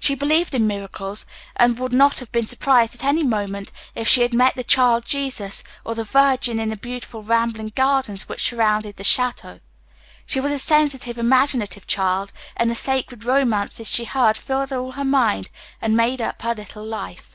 She believed in miracles, and would not have been surprised at any moment if she had met the Child Jesus or the Virgin in the beautiful rambling gardens which surrounded the château. She was a sensitive, imaginative child, and the sacred romances she heard filled all her mind and made up her little life.